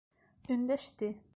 Өндәште.